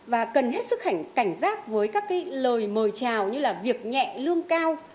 và cần hết sức cảnh giác với các lời mời trào như việc nhẹ lương cao